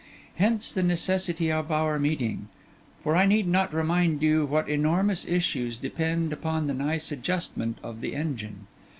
Hence the necessity of our meeting; for I need not remind you what enormous issues depend upon the nice adjustment of the engine.